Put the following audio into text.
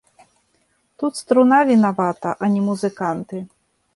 Тут струна вінавата, а не музыканты.